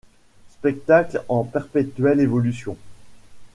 Spectacle en perpétuelle évolution.